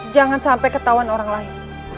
jangan sampai ketahuan orang lain